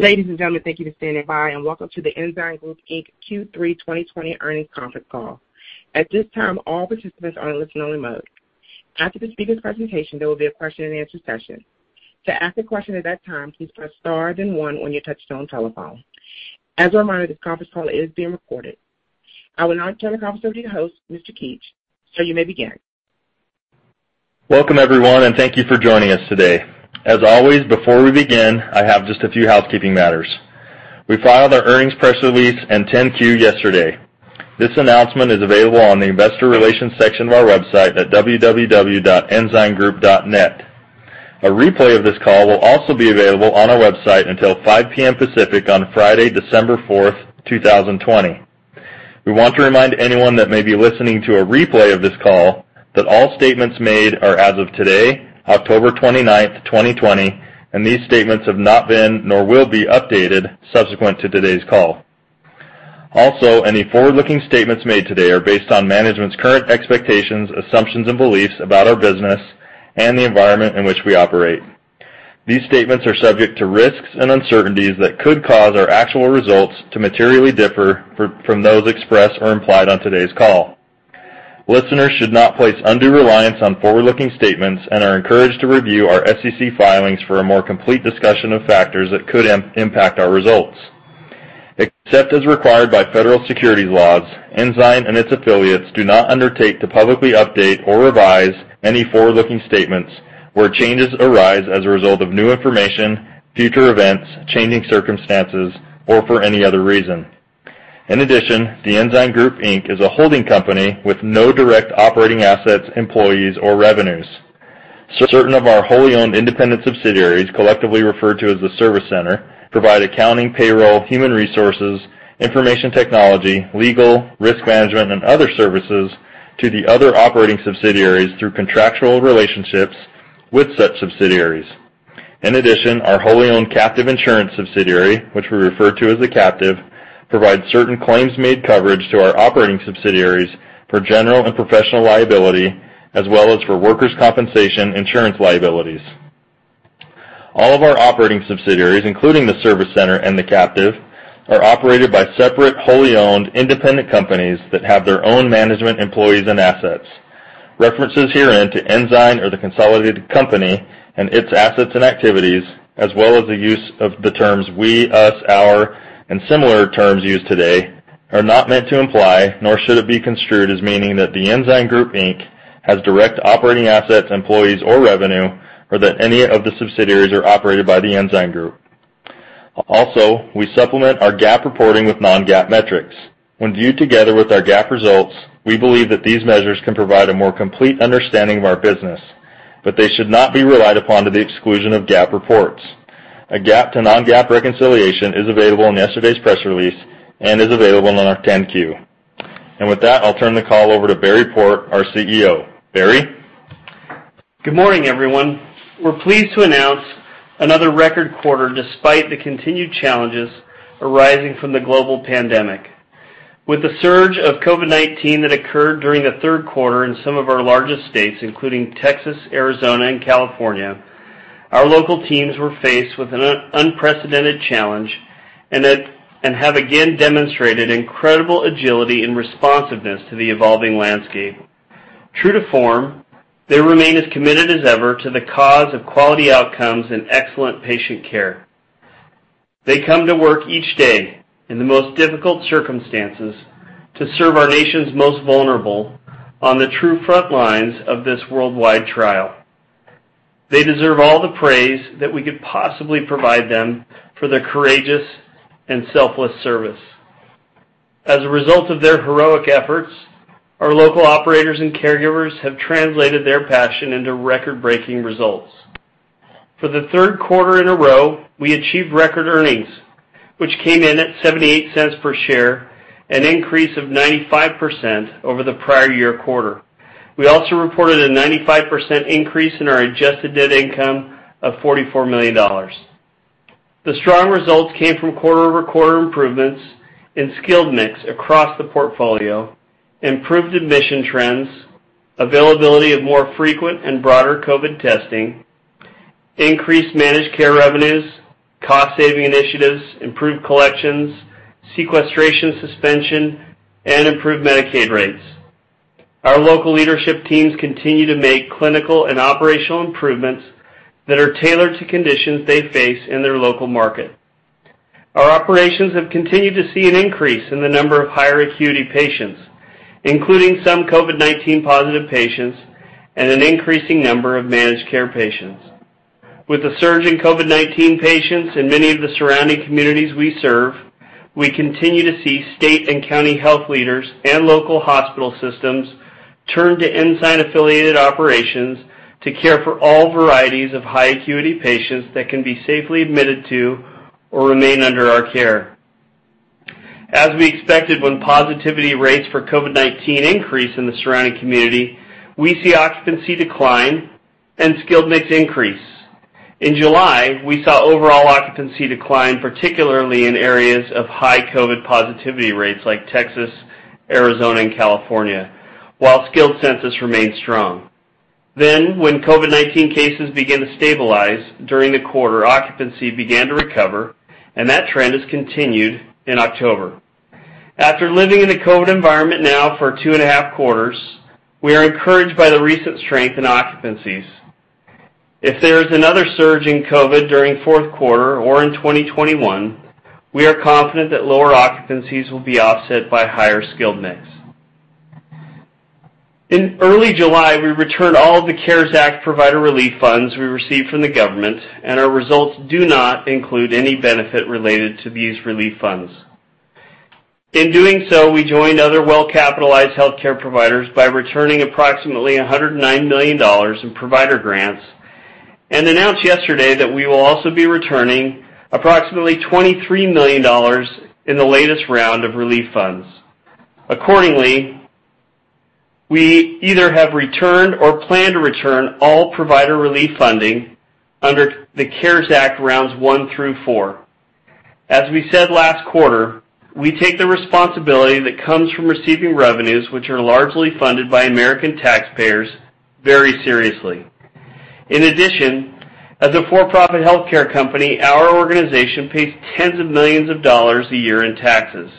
Ladies and gentlemen, thank you for standing by, and welcome to The Ensign Group, Inc. Q3 2020 Earnings Conference Call. At this time, all participants are in listen-only mode. After the speaker's presentation, there will be a question-and-answer session. To ask a question at that time, please press star then one on your touchtone telephone. As a reminder, this conference call is being recorded. I would now turn the conference over to your host, Mr. Keetch. Sir, you may begin. Welcome, everyone, and thank you for joining us today. As always, before we begin, I have just a few housekeeping matters. We filed our earnings press release and 10-Q yesterday. This announcement is available on the investor relations section of our website at www.ensigngroup.net. A replay of this call will also be available on our website until 5:00 P.M. Pacific on Friday, December 4th, 2020. We want to remind anyone that may be listening to a replay of this call that all statements made are as of today, October 29th, 2020, and these statements have not been, nor will be, updated subsequent to today's call. Also, any forward-looking statements made today are based on management's current expectations, assumptions, and beliefs about our business and the environment in which we operate. These statements are subject to risks and uncertainties that could cause our actual results to materially differ from those expressed or implied on today's call. Listeners should not place undue reliance on forward-looking statements and are encouraged to review our SEC filings for a more complete discussion of factors that could impact our results. Except as required by federal securities laws, Ensign and its affiliates do not undertake to publicly update or revise any forward-looking statements where changes arise as a result of new information, future events, changing circumstances, or for any other reason. In addition, The Ensign Group, Inc. is a holding company with no direct operating assets, employees, or revenues. Certain of our wholly owned independent subsidiaries, collectively referred to as the service center, provide accounting, payroll, human resources, information technology, legal, risk management, and other services to the other operating subsidiaries through contractual relationships with such subsidiaries. In addition, our wholly owned captive insurance subsidiary, which we refer to as the captive, provides certain claims-made coverage to our operating subsidiaries for general and professional liability, as well as for workers' compensation insurance liabilities. All of our operating subsidiaries, including the service center and the captive, are operated by separate, wholly owned independent companies that have their own management employees and assets. References herein to Ensign or the consolidated company and its assets and activities, as well as the use of the terms we, us, our, and similar terms used today are not meant to imply, nor should it be construed as meaning, that The Ensign Group, Inc. has direct operating assets, employees, or revenue, or that any of the subsidiaries are operated by The Ensign Group. We supplement our GAAP reporting with non-GAAP metrics. When viewed together with our GAAP results, we believe that these measures can provide a more complete understanding of our business, but they should not be relied upon to the exclusion of GAAP reports. A GAAP to non-GAAP reconciliation is available in yesterday's press release and is available on our 10-Q. With that, I'll turn the call over to Barry Port, our CEO. Barry? Good morning, everyone. We're pleased to announce another record quarter despite the continued challenges arising from the global pandemic. With the surge of COVID-19 that occurred during the third quarter in some of our largest states, including Texas, Arizona, and California, our local teams were faced with an unprecedented challenge and have again demonstrated incredible agility and responsiveness to the evolving landscape. True to form, they remain as committed as ever to the cause of quality outcomes and excellent patient care. They come to work each day in the most difficult circumstances to serve our nation's most vulnerable on the true front lines of this worldwide trial. They deserve all the praise that we could possibly provide them for their courageous and selfless service. As a result of their heroic efforts, our local operators and caregivers have translated their passion into record-breaking results. For the third quarter in a row, we achieved record earnings, which came in at $0.78 per share, an increase of 95% over the prior year quarter. We also reported a 95% increase in our adjusted net income of $44 million. The strong results came from quarter-over-quarter improvements in skilled mix across the portfolio, improved admission trends, availability of more frequent and broader COVID-19 testing, increased managed care revenues, cost-saving initiatives, improved collections, sequestration suspension, and improved Medicaid rates. Our local leadership teams continue to make clinical and operational improvements that are tailored to conditions they face in their local market. Our operations have continued to see an increase in the number of higher acuity patients, including some COVID-19 positive patients and an increasing number of managed care patients. With the surge in COVID-19 patients in many of the surrounding communities we serve, we continue to see state and county health leaders and local hospital systems turn to Ensign affiliated operations to care for all varieties of high acuity patients that can be safely admitted to or remain under our care. As we expected, when positivity rates for COVID-19 increase in the surrounding community, we see occupancy decline and skilled mix increase. In July, we saw overall occupancy decline, particularly in areas of high COVID positivity rates like Texas, Arizona, and California, while skilled census remained strong. When COVID-19 cases began to stabilize during the quarter, occupancy began to recover, and that trend has continued in October. After living in a COVID environment now for two and a half quarters, we are encouraged by the recent strength in occupancies. If there is another surge in COVID-19 during fourth quarter or in 2021, we are confident that lower occupancies will be offset by higher skilled mix. In early July, we returned all of the CARES Act provider relief funds we received from the government, and our results do not include any benefit related to these relief funds. In doing so, we joined other well-capitalized healthcare providers by returning approximately $109 million in provider grants, and announced yesterday that we will also be returning approximately $23 million in the latest round of relief funds. Accordingly, we either have returned or plan to return all provider relief funding under the CARES Act rounds one through four. As we said last quarter, we take the responsibility that comes from receiving revenues, which are largely funded by American taxpayers, very seriously. In addition, as a for-profit healthcare company, our organization pays tens of millions of dollars a year in taxes.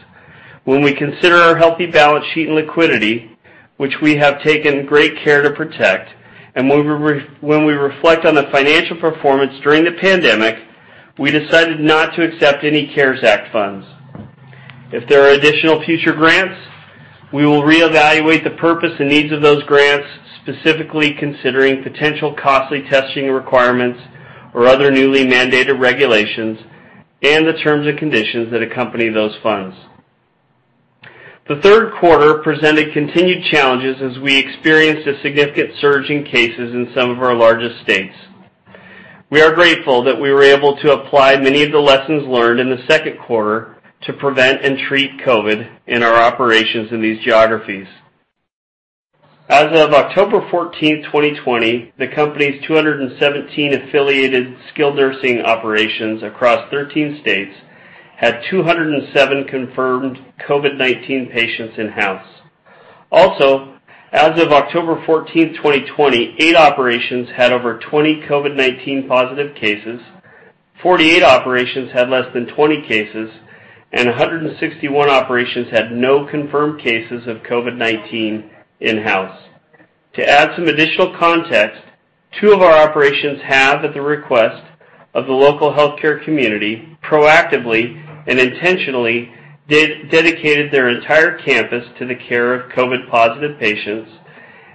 When we consider our healthy balance sheet and liquidity, which we have taken great care to protect, and when we reflect on the financial performance during the pandemic, we decided not to accept any CARES Act funds. If there are additional future grants, we will reevaluate the purpose and needs of those grants, specifically considering potential costly testing requirements or other newly mandated regulations and the terms and conditions that accompany those funds. The third quarter presented continued challenges as we experienced a significant surge in cases in some of our largest states. We are grateful that we were able to apply many of the lessons learned in the second quarter to prevent and treat COVID-19 in our operations in these geographies. As of October 14, 2020, the company's 217 affiliated skilled nursing operations across 13 states had 207 confirmed COVID-19 patients in-house. Also, as of October 14, 2020, eight operations had over 20 COVID-19 positive cases, 48 operations had less than 20 cases, and 161 operations had no confirmed cases of COVID-19 in-house. To add some additional context, two of our operations have, at the request of the local healthcare community, proactively and intentionally dedicated their entire campus to the care of COVID positive patients,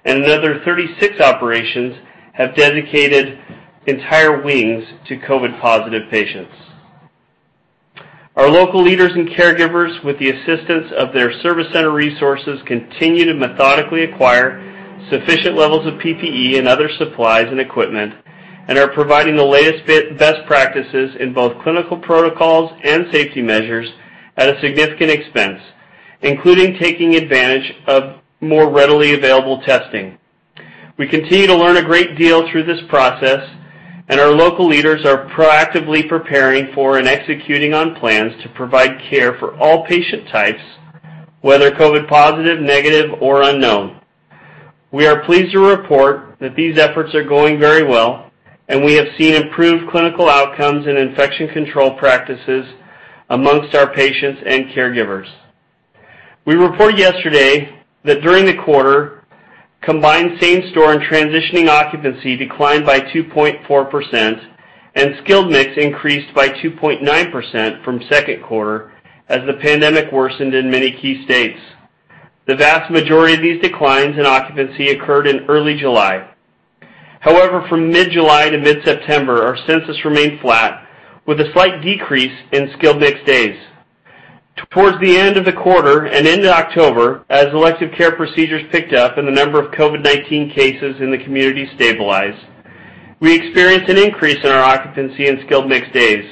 and another 36 operations have dedicated entire wings to COVID positive patients. Our local leaders and caregivers, with the assistance of their service center resources, continue to methodically acquire sufficient levels of PPE and other supplies and equipment, and are providing the latest best practices in both clinical protocols and safety measures at a significant expense, including taking advantage of more readily available testing. We continue to learn a great deal through this process, and our local leaders are proactively preparing for and executing on plans to provide care for all patient types, whether COVID positive, negative, or unknown. We are pleased to report that these efforts are going very well, and we have seen improved clinical outcomes and infection control practices amongst our patients and caregivers. We reported yesterday that during the quarter, combined same-store and transitioning occupancy declined by 2.4% and skilled mix increased by 2.9% from second quarter as the pandemic worsened in many key states. The vast majority of these declines in occupancy occurred in early July. However, from mid-July to mid-September, our census remained flat, with a slight decrease in skilled mix days. Towards the end of the quarter and into October, as elective care procedures picked up and the number of COVID-19 cases in the community stabilized, we experienced an increase in our occupancy and skilled mix days.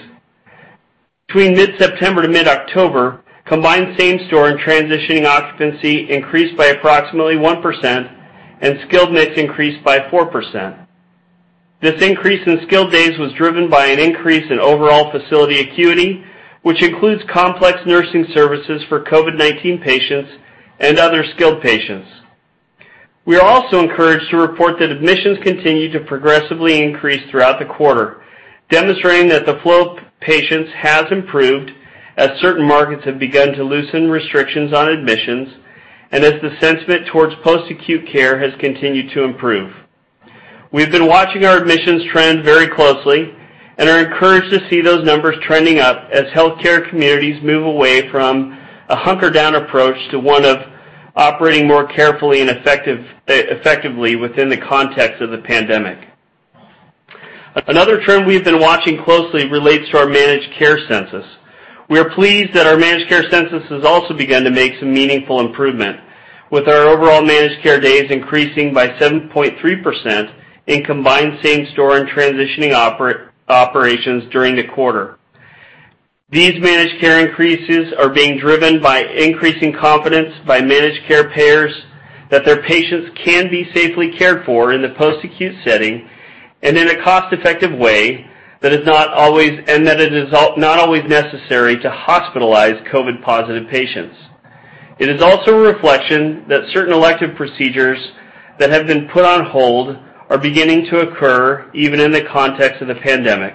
Between mid-September to mid-October, combined same-store and transitioning occupancy increased by approximately 1% and skilled mix increased by 4%. This increase in skilled days was driven by an increase in overall facility acuity, which includes complex nursing services for COVID-19 patients and other skilled patients. We are also encouraged to report that admissions continue to progressively increase throughout the quarter, demonstrating that the flow of patients has improved as certain markets have begun to loosen restrictions on admissions and as the sentiment towards post-acute care has continued to improve. We've been watching our admissions trend very closely and are encouraged to see those numbers trending up as healthcare communities move away from a hunker-down approach to one of operating more carefully and effectively within the context of the pandemic. Another trend we've been watching closely relates to our managed care census. We are pleased that our managed care census has also begun to make some meaningful improvement, with our overall managed care days increasing by 7.3% in combined same-store and transitioning operations during the quarter. These managed care increases are being driven by increasing confidence by managed care payers that their patients can be safely cared for in the post-acute setting and in a cost-effective way that it is not always necessary to hospitalize COVID-19 positive patients. It is also a reflection that certain elective procedures that have been put on hold are beginning to occur even in the context of the pandemic.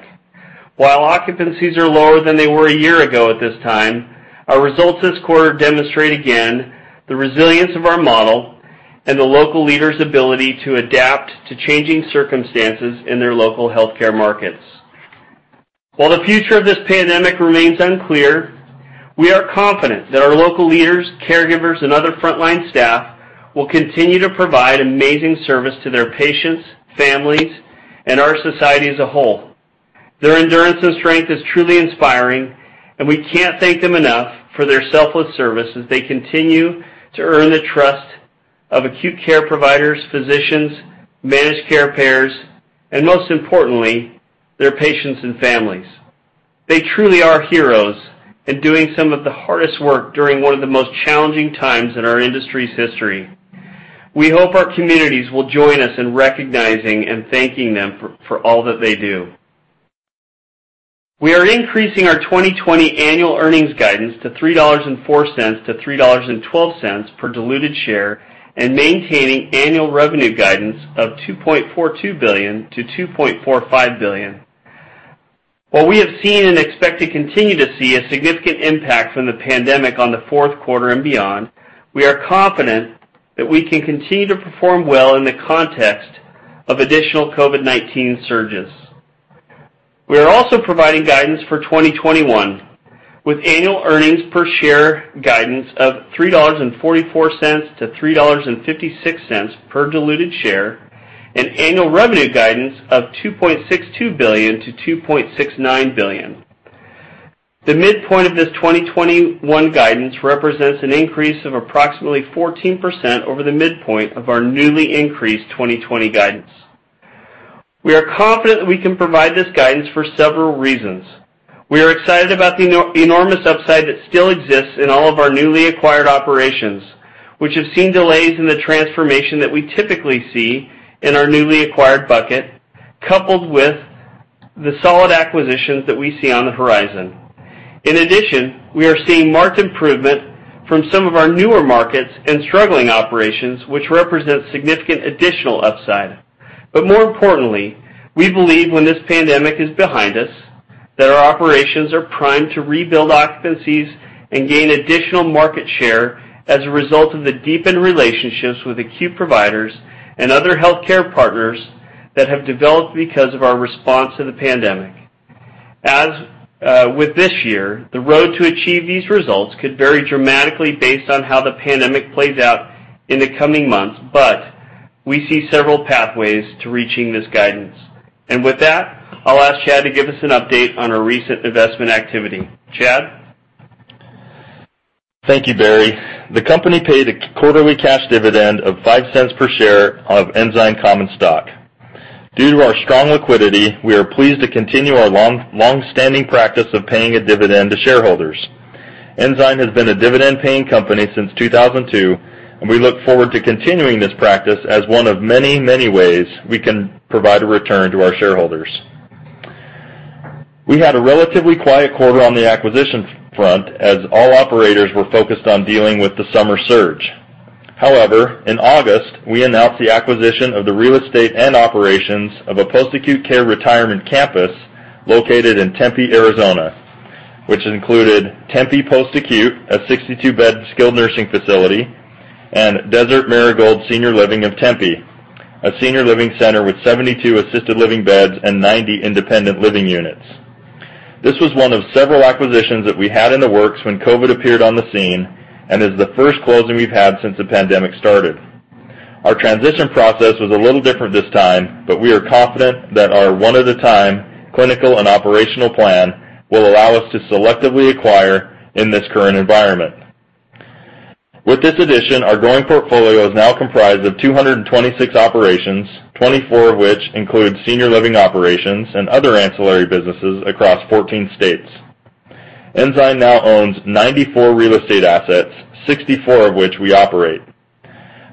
While occupancies are lower than they were a year ago at this time, our results this quarter demonstrate again the resilience of our model and the local leaders' ability to adapt to changing circumstances in their local healthcare markets. While the future of this pandemic remains unclear, we are confident that our local leaders, caregivers, and other frontline staff will continue to provide amazing service to their patients, families, and our society as a whole. Their endurance and strength is truly inspiring, and we can't thank them enough for their selfless service as they continue to earn the trust of acute care providers, physicians, managed care payers, and most importantly, their patients and families. They truly are heroes and doing some of the hardest work during one of the most challenging times in our industry's history. We hope our communities will join us in recognizing and thanking them for all that they do. We are increasing our 2020 annual earnings guidance to $3.04-$3.12 per diluted share and maintaining annual revenue guidance of $2.42 billion-$2.45 billion. While we have seen and expect to continue to see a significant impact from the pandemic on the fourth quarter and beyond, we are confident that we can continue to perform well in the context of additional COVID-19 surges. We are also providing guidance for 2021 with annual earnings per share guidance of $3.44-$3.56 per diluted share and annual revenue guidance of $2.62 billion-$2.69 billion. The midpoint of this 2021 guidance represents an increase of approximately 14% over the midpoint of our newly increased 2020 guidance. We are confident that we can provide this guidance for several reasons. We are excited about the enormous upside that still exists in all of our newly acquired operations, which have seen delays in the transformation that we typically see in our newly acquired bucket, coupled with the solid acquisitions that we see on the horizon. We are seeing marked improvement from some of our newer markets and struggling operations, which represent significant additional upside. More importantly, we believe when this pandemic is behind us, that our operations are primed to rebuild occupancies and gain additional market share as a result of the deepened relationships with acute providers and other healthcare partners that have developed because of our response to the pandemic. As with this year, the road to achieve these results could vary dramatically based on how the pandemic plays out in the coming months, but we see several pathways to reaching this guidance. With that, I'll ask Chad to give us an update on our recent investment activity. Chad? Thank you, Barry. The company paid a quarterly cash dividend of $0.05 per share of Ensign common stock. Due to our strong liquidity, we are pleased to continue our longstanding practice of paying a dividend to shareholders. Ensign has been a dividend-paying company since 2002, and we look forward to continuing this practice as one of many ways we can provide a return to our shareholders. We had a relatively quiet quarter on the acquisition front as all operators were focused on dealing with the summer surge. However, in August, we announced the acquisition of the real estate and operations of a post-acute care retirement campus located in Tempe, Arizona, which included Tempe Post Acute, a 62-bed skilled nursing facility, and Desert Marigold Senior Living of Tempe, a senior living center with 72 assisted living beds and 90 independent living units. This was one of several acquisitions that we had in the works when COVID appeared on the scene and is the first closing we've had since the pandemic started. Our transition process was a little different this time, but we are confident that our one-at-a-time clinical and operational plan will allow us to selectively acquire in this current environment. With this addition, our growing portfolio is now comprised of 226 operations, 24 of which include senior living operations and other ancillary businesses across 14 states. Ensign now owns 94 real estate assets, 64 of which we operate.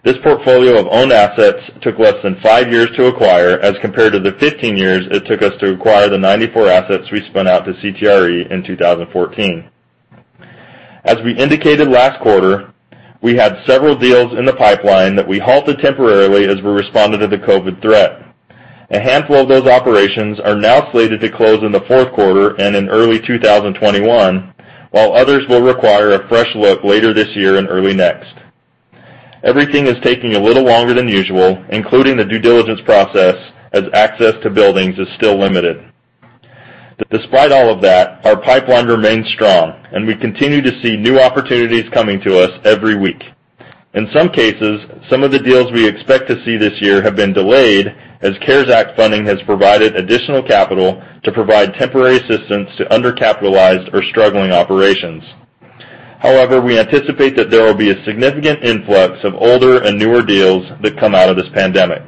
This portfolio of owned assets took less than five years to acquire as compared to the 15 years it took us to acquire the 94 assets we spun out to CTRE in 2014. As we indicated last quarter, we had several deals in the pipeline that we halted temporarily as we responded to the COVID threat. A handful of those operations are now slated to close in the fourth quarter and in early 2021, while others will require a fresh look later this year and early next. Everything is taking a little longer than usual, including the due diligence process, as access to buildings is still limited. Despite all of that, our pipeline remains strong, and we continue to see new opportunities coming to us every week. In some cases, some of the deals we expect to see this year have been delayed as CARES Act funding has provided additional capital to provide temporary assistance to undercapitalized or struggling operations. However, we anticipate that there will be a significant influx of older and newer deals that come out of this pandemic.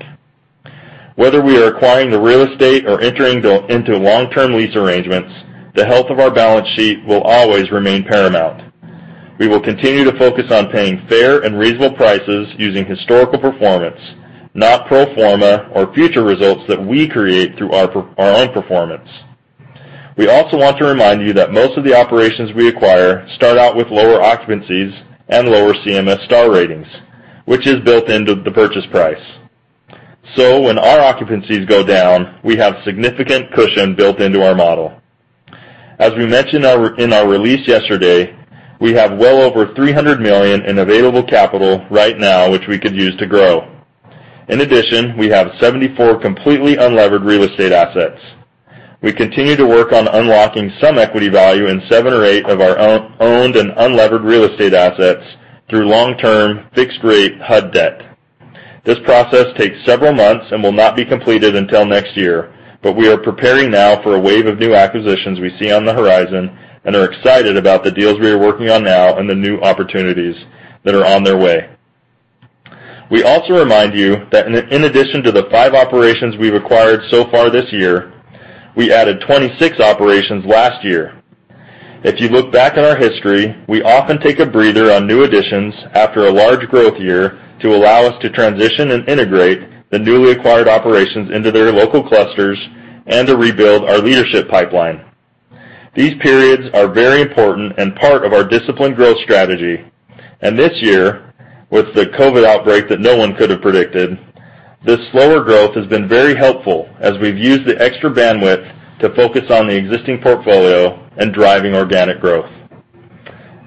Whether we are acquiring the real estate or entering into long-term lease arrangements, the health of our balance sheet will always remain paramount. We will continue to focus on paying fair and reasonable prices using historical performance, not pro forma or future results that we create through our own performance. We also want to remind you that most of the operations we acquire start out with lower occupancies and lower CMS star ratings, which is built into the purchase price. When our occupancies go down, we have significant cushion built into our model. As we mentioned in our release yesterday, we have well over $300 million in available capital right now, which we could use to grow. In addition, we have 74 completely unlevered real estate assets. We continue to work on unlocking some equity value in seven or eight of our owned and unlevered real estate assets through long-term fixed rate HUD debt. This process takes several months and will not be completed until next year. We are preparing now for a wave of new acquisitions we see on the horizon and are excited about the deals we are working on now and the new opportunities that are on their way. We also remind you that in addition to the five operations we've acquired so far this year, we added 26 operations last year. If you look back at our history, we often take a breather on new additions after a large growth year to allow us to transition and integrate the newly acquired operations into their local clusters and to rebuild our leadership pipeline. These periods are very important and part of our disciplined growth strategy. This year, with the COVID outbreak that no one could have predicted, this slower growth has been very helpful as we've used the extra bandwidth to focus on the existing portfolio and driving organic growth.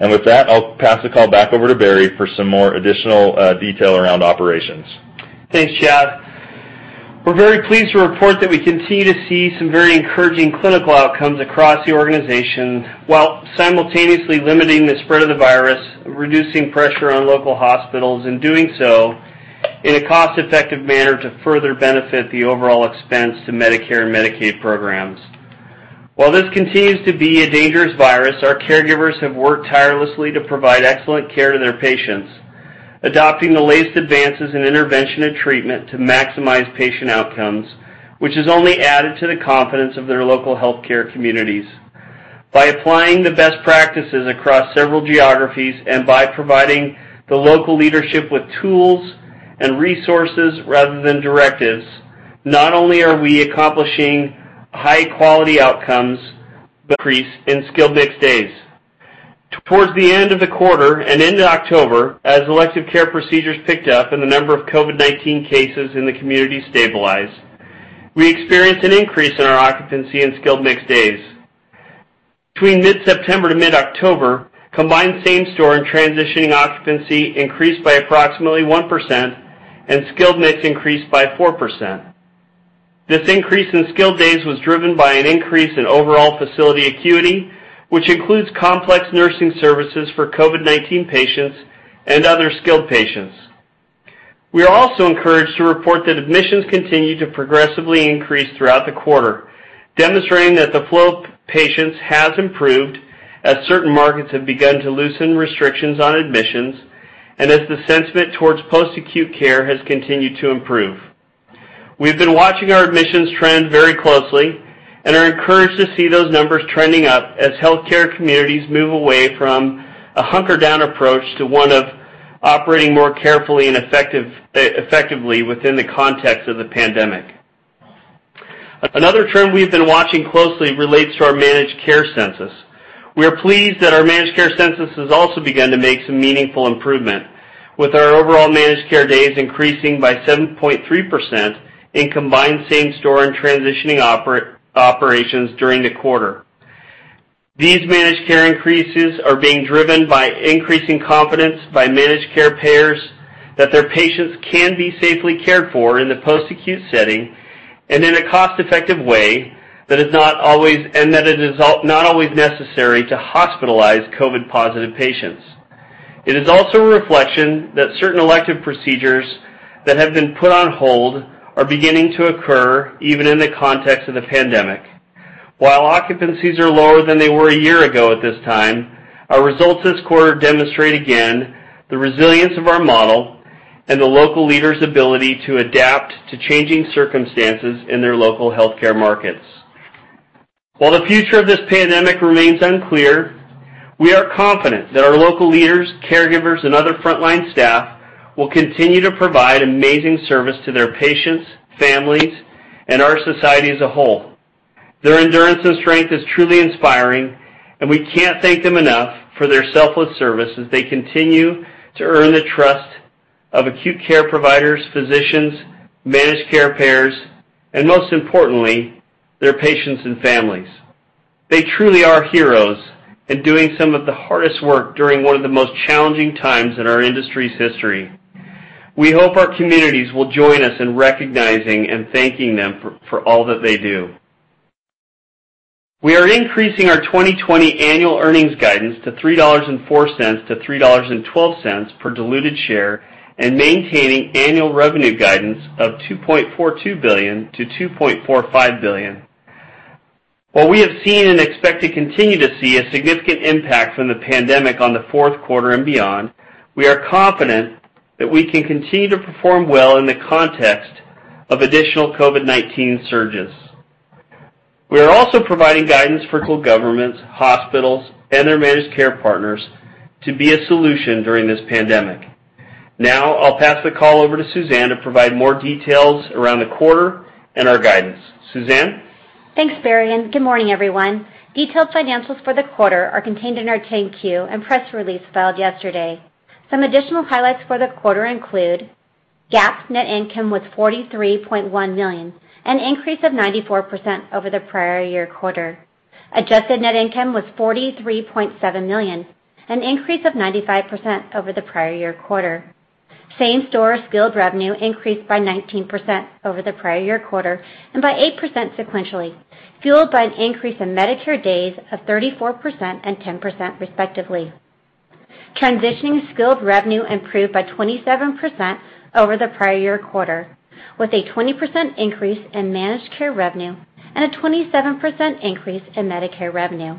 With that, I'll pass the call back over to Barry for some more additional detail around operations. Thanks, Chad. We're very pleased to report that we continue to see some very encouraging clinical outcomes across the organization, while simultaneously limiting the spread of the virus, reducing pressure on local hospitals, and doing so in a cost-effective manner to further benefit the overall expense to Medicare and Medicaid programs. While this continues to be a dangerous virus, our caregivers have worked tirelessly to provide excellent care to their patients, adopting the latest advances in intervention and treatment to maximize patient outcomes, which has only added to the confidence of their local healthcare communities. By applying the best practices across several geographies and by providing the local leadership with tools and resources rather than directives, not only are we accomplishing high quality outcomes, but increase in skilled mix days. Towards the end of the quarter and into October, as elective care procedures picked up and the number of COVID-19 cases in the community stabilized, we experienced an increase in our occupancy and skilled mix days. Between mid-September to mid-October, combined same-store and transitioning occupancy increased by approximately 1% and skilled mix increased by 4%. This increase in skilled days was driven by an increase in overall facility acuity, which includes complex nursing services for COVID-19 patients and other skilled patients. We are also encouraged to report that admissions continue to progressively increase throughout the quarter, demonstrating that the flow of patients has improved as certain markets have begun to loosen restrictions on admissions and as the sentiment towards post-acute care has continued to improve. We've been watching our admissions trend very closely and are encouraged to see those numbers trending up as healthcare communities move away from a hunker-down approach to one of operating more carefully and effectively within the context of the pandemic. Another trend we've been watching closely relates to our managed care census. We are pleased that our managed care census has also begun to make some meaningful improvement with our overall managed care days increasing by 7.3% in combined same-store and transitioning operations during the quarter. These managed care increases are being driven by increasing confidence by managed care payers that their patients can be safely cared for in the post-acute setting and in a cost-effective way and that it is not always necessary to hospitalize COVID-positive patients. It is also a reflection that certain elective procedures that have been put on hold are beginning to occur even in the context of the pandemic. While occupancies are lower than they were a year ago at this time, our results this quarter demonstrate again the resilience of our model and the local leaders' ability to adapt to changing circumstances in their local healthcare markets. While the future of this pandemic remains unclear, we are confident that our local leaders, caregivers, and other frontline staff will continue to provide amazing service to their patients, families, and our society as a whole. Their endurance and strength is truly inspiring, and we can't thank them enough for their selfless service as they continue to earn the trust of acute care providers, physicians, managed care payers, and most importantly, their patients and families. They truly are heroes and doing some of the hardest work during one of the most challenging times in our industry's history. We hope our communities will join us in recognizing and thanking them for all that they do. We are increasing our 2020 annual earnings guidance to $3.04-$3.12 per diluted share and maintaining annual revenue guidance of $2.42 billion-$2.45 billion. While we have seen and expect to continue to see a significant impact from the pandemic on the fourth quarter and beyond, we are confident that we can continue to perform well in the context of additional COVID-19 surges. We are also providing guidance for local governments, hospitals, and their managed care partners to be a solution during this pandemic. Now, I'll pass the call over to Suzanne to provide more details around the quarter and our guidance. Suzanne? Thanks, Barry, and good morning, everyone. Detailed financials for the quarter are contained in our 10-Q and press release filed yesterday. Some additional highlights for the quarter include: GAAP net income was $43.1 million, an increase of 94% over the prior year quarter. Adjusted net income was $43.7 million, an increase of 95% over the prior year quarter. Same-store skilled revenue increased by 19% over the prior year quarter and by 8% sequentially, fueled by an increase in Medicare days of 34% and 10% respectively. Transitioning skilled revenue improved by 27% over the prior year quarter, with a 20% increase in managed care revenue and a 27% increase in Medicare revenue.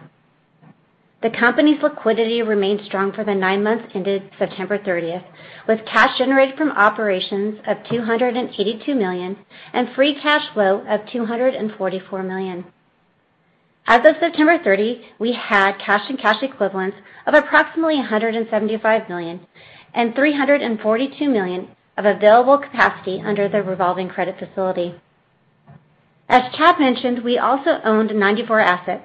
The company's liquidity remained strong for the nine months ended September 30th, with cash generated from operations of $282 million and free cash flow of $244 million. As of September 30, we had cash and cash equivalents of approximately $175 million and $342 million of available capacity under the revolving credit facility. As Chad mentioned, we also owned 94 assets,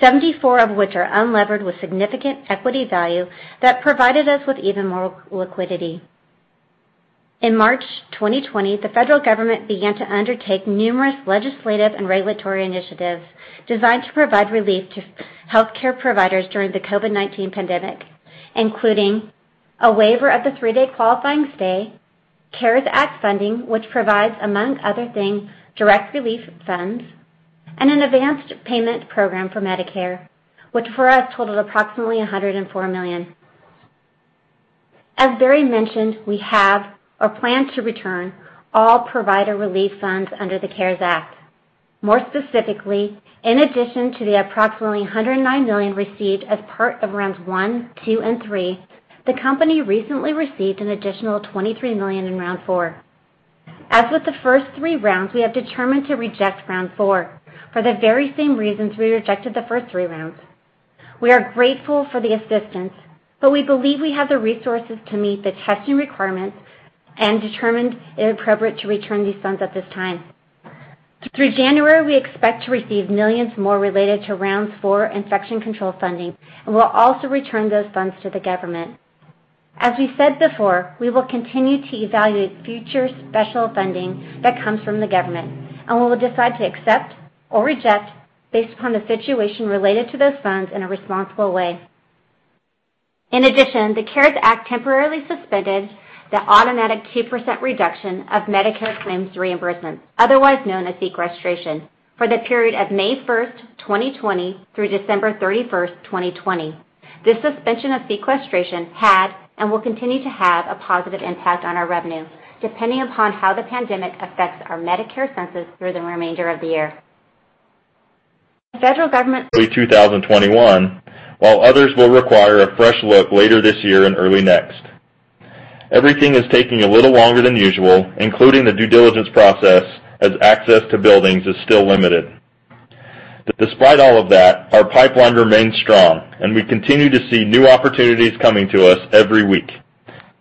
74 of which are unlevered with significant equity value that provided us with even more liquidity. In March 2020, the federal government began to undertake numerous legislative and regulatory initiatives designed to provide relief to healthcare providers during the COVID-19 pandemic, including a waiver of the three-day qualifying stay, CARES Act funding, which provides, among other things, direct relief funds, and an advanced payment program for Medicare, which for us totaled approximately $104 million. As Barry mentioned, we have or plan to return all provider relief funds under the CARES Act. More specifically, in addition to the approximately $109 million received as part of rounds one, two, and three, the company recently received an additional $23 million in round four. As with the first three rounds, we have determined to reject round four for the very same reasons we rejected the first three rounds. We are grateful for the assistance, but we believe we have the resources to meet the testing requirements and determined it appropriate to return these funds at this time. Through January, we expect to receive millions more related to round four infection control funding, and we'll also return those funds to the government. As we said before, we will continue to evaluate future special funding that comes from the government, and we will decide to accept or reject based upon the situation related to those funds in a responsible way. In addition, the CARES Act temporarily suspended the automatic 2% reduction of Medicare claims reimbursements, otherwise known as sequestration, for the period of May 1st, 2020, through December 31st, 2020. This suspension of sequestration had, and will continue to have, a positive impact on our revenue, depending upon how the pandemic affects our Medicare census through the remainder of the year. The federal government. 2021, while others will require a fresh look later this year and early next. Everything is taking a little longer than usual, including the due diligence process, as access to buildings is still limited. Despite all of that, our pipeline remains strong, and we continue to see new opportunities coming to us every week.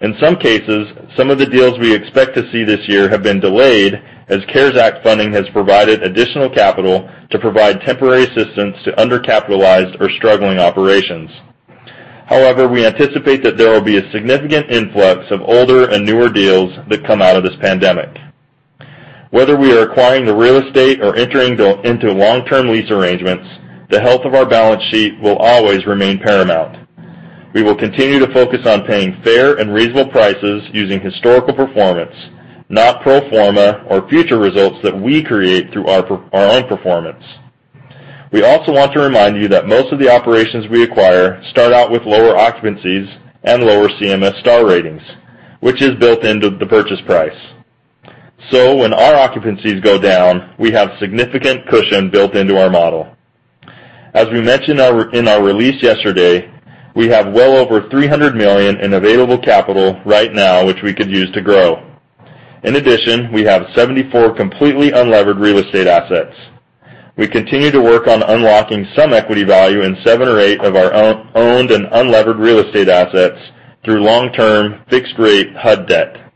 In some cases, some of the deals we expect to see this year have been delayed as CARES Act funding has provided additional capital to provide temporary assistance to undercapitalized or struggling operations. However, we anticipate that there will be a significant influx of older and newer deals that come out of this pandemic. Whether we are acquiring the real estate or entering into long-term lease arrangements, the health of our balance sheet will always remain paramount. We will continue to focus on paying fair and reasonable prices using historical performance, not pro forma or future results that we create through our own performance. We also want to remind you that most of the operations we acquire start out with lower occupancies and lower CMS star ratings, which is built into the purchase price. When our occupancies go down, we have significant cushion built into our model. As we mentioned in our release yesterday, we have well over $300 million in available capital right now, which we could use to grow. In addition, we have 74 completely unlevered real estate assets. We continue to work on unlocking some equity value in seven or eight of our owned and unlevered real estate assets through long-term fixed rate HUD debt.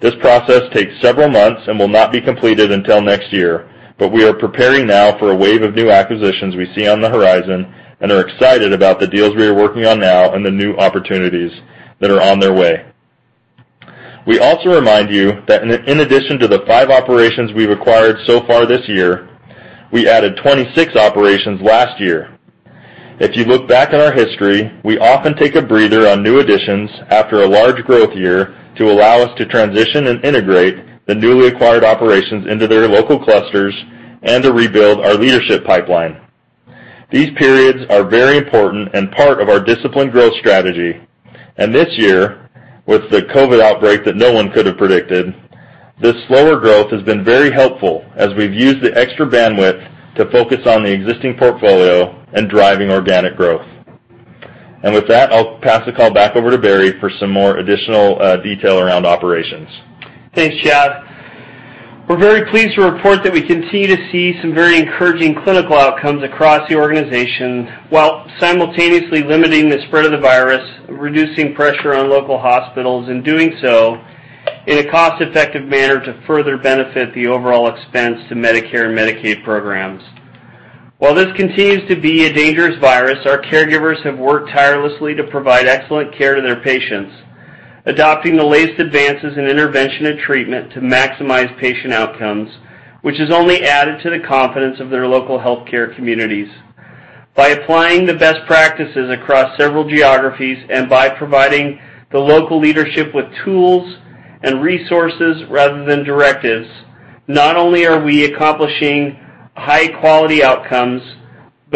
This process takes several months and will not be completed until next year, but we are preparing now for a wave of new acquisitions we see on the horizon and are excited about the deals we are working on now and the new opportunities that are on their way. We also remind you that in addition to the five operations we've acquired so far this year, we added 26 operations last year. If you look back at our history, we often take a breather on new additions after a large growth year to allow us to transition and integrate the newly acquired operations into their local clusters and to rebuild our leadership pipeline. These periods are very important and part of our disciplined growth strategy. This year, with the COVID-19 outbreak that no one could have predicted, this slower growth has been very helpful as we've used the extra bandwidth to focus on the existing portfolio and driving organic growth. With that, I'll pass the call back over to Barry for some more additional detail around operations. Thanks, Chad. We're very pleased to report that we continue to see some very encouraging clinical outcomes across the organization, while simultaneously limiting the spread of the virus, reducing pressure on local hospitals, and doing so in a cost-effective manner to further benefit the overall expense to Medicare and Medicaid programs. While this continues to be a dangerous virus, our caregivers have worked tirelessly to provide excellent care to their patients, adopting the latest advances in intervention and treatment to maximize patient outcomes, which has only added to the confidence of their local healthcare communities. By applying the best practices across several geographies and by providing the local leadership with tools and resources rather than directives, not only are we accomplishing high-quality outcomes.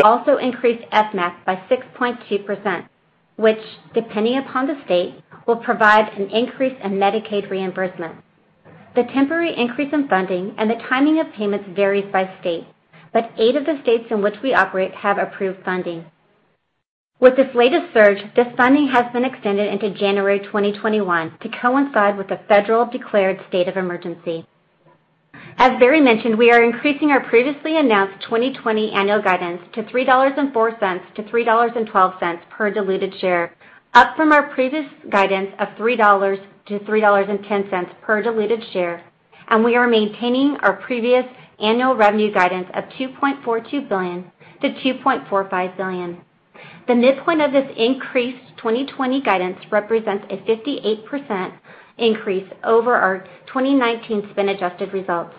Also increased FMAP by 6.2%, which, depending upon the state, will provide an increase in Medicaid reimbursement. The temporary increase in funding and the timing of payments varies by state, but eight of the states in which we operate have approved funding. With this latest surge, this funding has been extended into January 2021 to coincide with the federal declared state of emergency. As Barry mentioned, we are increasing our previously announced 2020 annual guidance to $3.04-$3.12 per diluted share, up from our previous guidance of $3-$3.10 per diluted share, and we are maintaining our previous annual revenue guidance of $2.42 billion-$2.45 billion. The midpoint of this increased 2020 guidance represents a 58% increase over our 2019 spin-adjusted results.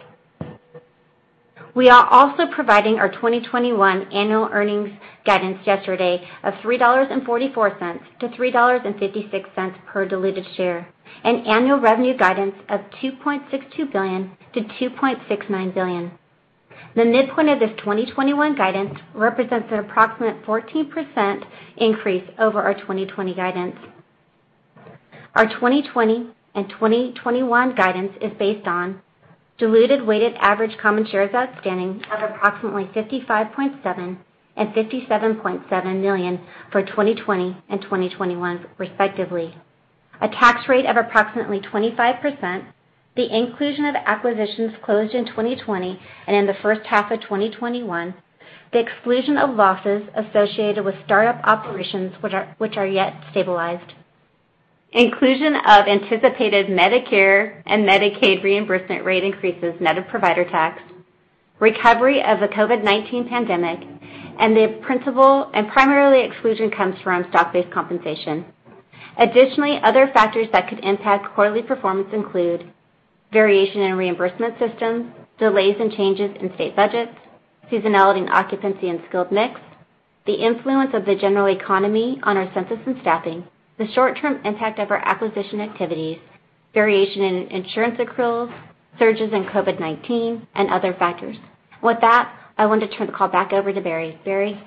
We are also providing our 2021 annual earnings guidance yesterday of $3.44-$3.56 per diluted share, an annual revenue guidance of $2.62 billion-$2.69 billion. The midpoint of this 2021 guidance represents an approximate 14% increase over our 2020 guidance. Our 2020 and 2021 guidance is based on diluted weighted average common shares outstanding of approximately 55.7 million and 57.7 million for 2020 and 2021 respectively, a tax rate of approximately 25%, the inclusion of acquisitions closed in 2020 and in the first half of 2021, the exclusion of losses associated with startup operations which are not yet stabilized, inclusion of anticipated Medicare and Medicaid reimbursement rate increases net of provider tax, recovery of the COVID-19 pandemic, and primarily exclusion comes from stock-based compensation. Additionally, other factors that could impact quarterly performance include variation in reimbursement systems, delays and changes in state budgets, seasonality and occupancy in skilled mix, the influence of the general economy on our census and staffing, the short-term impact of our acquisition activities, variation in insurance accruals, surges in COVID-19, and other factors. With that, I want to turn the call back over to Barry. Barry?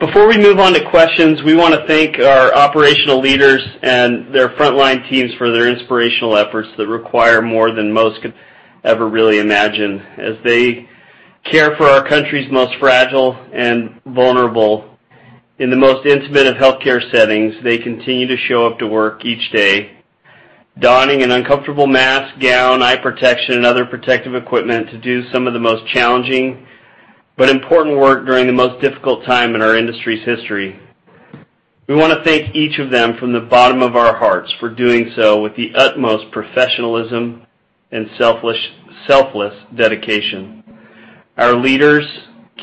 Before we move on to questions, we want to thank our operational leaders and their frontline teams for their inspirational efforts that require more than most could ever really imagine. As they care for our country's most fragile and vulnerable in the most intimate of healthcare settings, they continue to show up to work each day, donning an uncomfortable mask, gown, eye protection, and other protective equipment to do some of the most challenging but important work during the most difficult time in our industry's history. We want to thank each of them from the bottom of our hearts for doing so with the utmost professionalism and selfless dedication. Our leaders,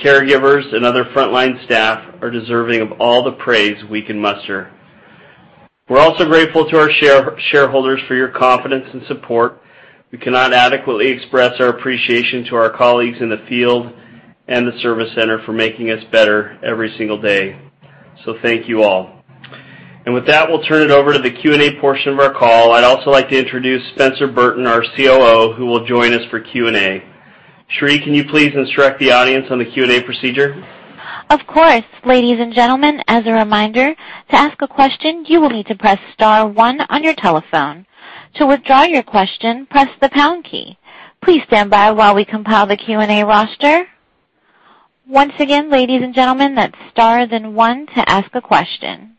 caregivers, and other frontline staff are deserving of all the praise we can muster. We're also grateful to our shareholders for your confidence and support. We cannot adequately express our appreciation to our colleagues in the field and the service center for making us better every single day. Thank you all. With that, we'll turn it over to the Q&A portion of our call. I'd also like to introduce Spencer Burton, our COO, who will join us for Q&A. Sheree, can you please instruct the audience on the Q&A procedure? Of course. Ladies and gentlemen, as a reminder, to ask a question, you will need to press star one on your telephone. To withdraw your question, press the pound key. Please stand by while we compile the Q&A roster. Once again, ladies and gentlemen, that's star, then one to ask a question.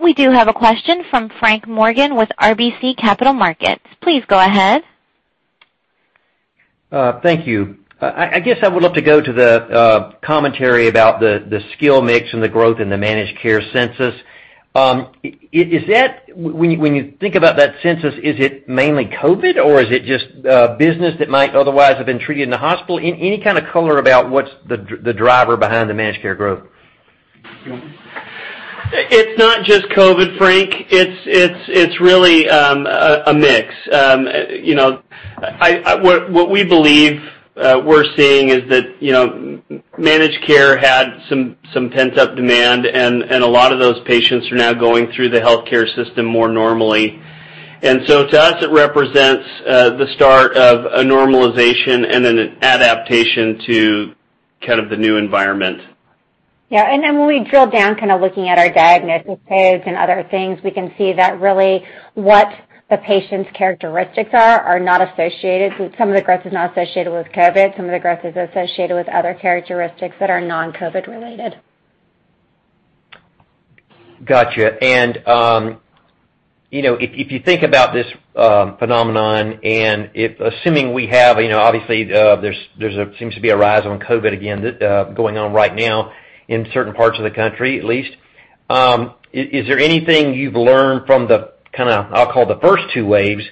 We do have a question from Frank Morgan with RBC Capital Markets. Please go ahead. Thank you. I guess I would love to go to the commentary about the skilled mix and the growth in the managed care census. When you think about that census, is it mainly COVID-19 or is it just business that might otherwise have been treated in the hospital? Any kind of color about what's the driver behind the managed care growth? It's not just COVID-19, Frank. It's really a mix. What we believe we're seeing is that managed care had some pent-up demand, and a lot of those patients are now going through the healthcare system more normally. To us, it represents the start of a normalization and then an adaptation to kind of the new environment. Yeah. When we drill down, looking at our diagnosis codes and other things, we can see that really what the patient's characteristics are, some of the growth is not associated with COVID. Some of the growth is associated with other characteristics that are non-COVID related. Got you. If you think about this phenomenon, assuming there seems to be a rise on COVID again, going on right now in certain parts of the country at least. Is there anything you've learned from the, I'll call the first two waves,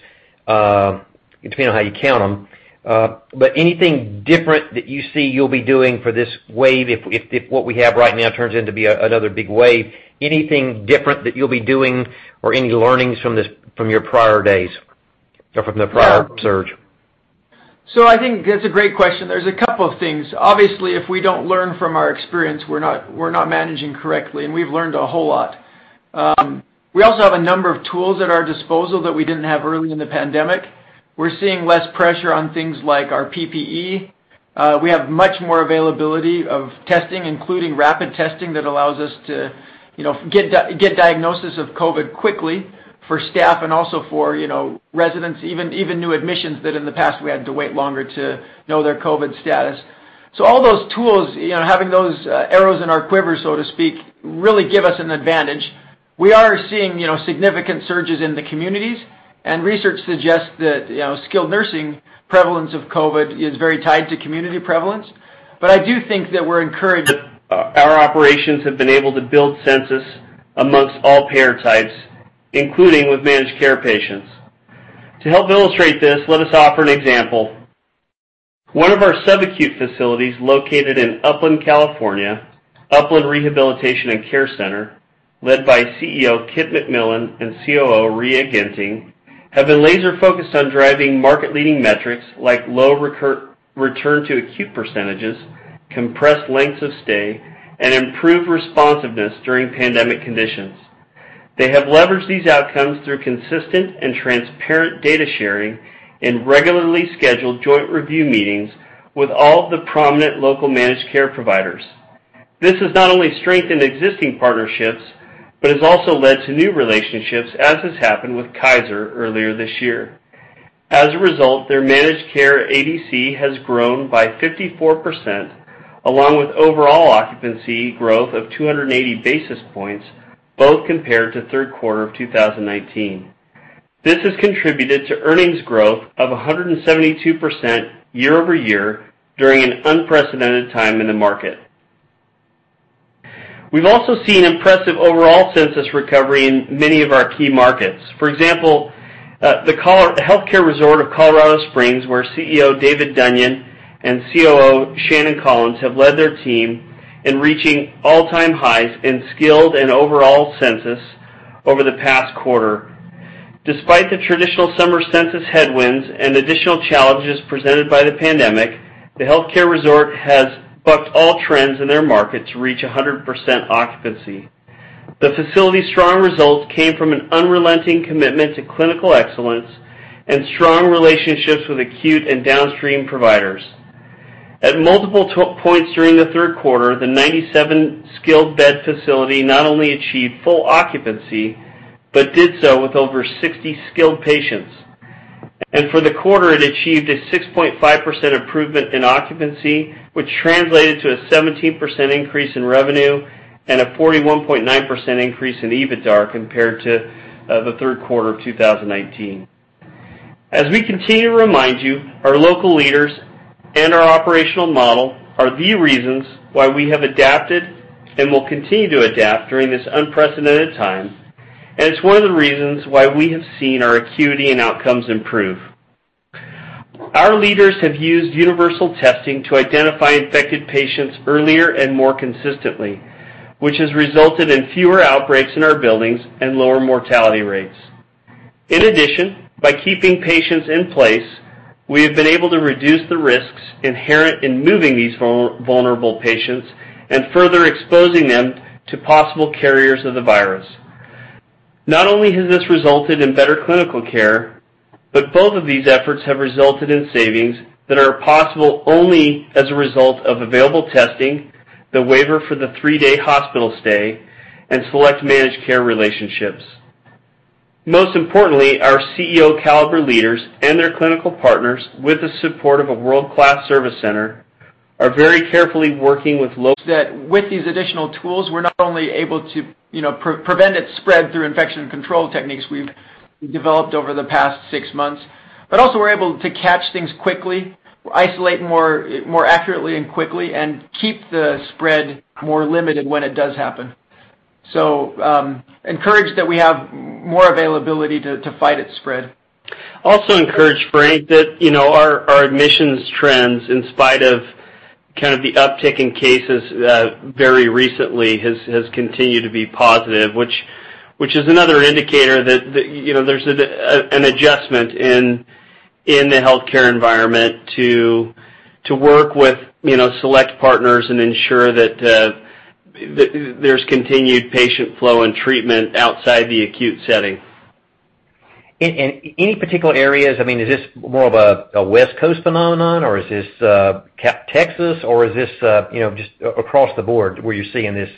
depending on how you count them. Anything different that you see you'll be doing for this wave, if what we have right now turns into be another big wave, anything different that you'll be doing or any learnings from your prior days or from the prior surge? I think that's a great question. There's a couple of things. Obviously, if we don't learn from our experience, we're not managing correctly, and we've learned a whole lot. We also have a number of tools at our disposal that we didn't have early in the pandemic. We're seeing less pressure on things like our PPE. We have much more availability of testing, including rapid testing, that allows us to get diagnosis of COVID quickly for staff and also for residents, even new admissions that in the past we had to wait longer to know their COVID status. All those tools, having those arrows in our quiver, so to speak, really give us an advantage. We are seeing significant surges in the communities, and research suggests that skilled nursing prevalence of COVID is very tied to community prevalence. I do think that we're encouraged that Our operations have been able to build census amongst all payer types, including with managed care patients. To help illustrate this, let us offer an example. One of our sub-acute facilities located in Upland, California, Upland Rehabilitation & Care Center, led by CEO Kip McMillan and COO Ria Ginting, have been laser-focused on driving market-leading metrics like low return to acute percentages, compressed lengths of stay, and improved responsiveness during pandemic conditions. They have leveraged these outcomes through consistent and transparent data sharing and regularly scheduled joint review meetings with all the prominent local managed care providers. This has not only strengthened existing partnerships but has also led to new relationships, as has happened with Kaiser earlier this year. As a result, their managed care ADC has grown by 54%, along with overall occupancy growth of 280 basis points, both compared to Q3 of 2019. This has contributed to earnings growth of 172% year-over-year during an unprecedented time in the market. We've also seen impressive overall census recovery in many of our key markets. For example, The Healthcare Resort of Colorado Springs, where CEO David Dunyon and COO Shannon Collins have led their team in reaching all-time highs in skilled and overall census over the past quarter. Despite the traditional summer census headwinds and additional challenges presented by the pandemic, The Healthcare Resort has bucked all trends in their market to reach 100% occupancy. The facility's strong results came from an unrelenting commitment to clinical excellence and strong relationships with acute and downstream providers. At multiple points during the third quarter, the 97-skilled bed facility not only achieved full occupancy but did so with over 60 skilled patients. For the quarter, it achieved a 6.5% improvement in occupancy, which translated to a 17% increase in revenue and a 41.9% increase in EBITDA compared to the Q3 of 2019. As we continue to remind you, our local leaders and our operational model are the reasons why we have adapted and will continue to adapt during this unprecedented time, and it's one of the reasons why we have seen our acuity and outcomes improve. Our leaders have used universal testing to identify infected patients earlier and more consistently, which has resulted in fewer outbreaks in our buildings and lower mortality rates. In addition, by keeping patients in place, we have been able to reduce the risks inherent in moving these vulnerable patients and further exposing them to possible carriers of the virus. Not only has this resulted in better clinical care, but both of these efforts have resulted in savings that are possible only as a result of available testing, the waiver for the three-day hospital stay, and select managed care relationships. Most importantly, our CEO caliber leaders and their clinical partners, with the support of a world-class service center, are very carefully working with these additional tools, we're not only able to prevent its spread through infection control techniques we've developed over the past six months, but also we're able to catch things quickly, isolate more accurately and quickly, and keep the spread more limited when it does happen. Encouraged that we have more availability to fight its spread. Also encouraged, Frank, that our admissions trends, in spite of the uptick in cases very recently, has continued to be positive, which is another indicator that there's an adjustment in the healthcare environment to work with select partners and ensure that there's continued patient flow and treatment outside the acute setting. In any particular areas, is this more of a West Coast phenomenon, or is this Texas, or is this just across the board where you're seeing this